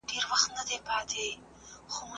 ډاکټره اوږده پاڼه ړنګوله.